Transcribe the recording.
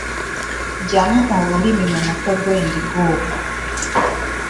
Ggyamu olulimi mu mutwe gw'endiga ogwo.